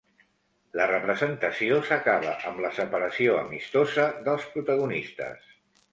La representació s'acaba amb la separació amistosa dels protagonistes.